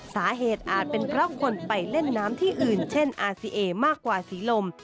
อาจเป็นเพราะคนไปเล่นน้ำที่อื่นเช่นอาซีเอมากกว่าสีลม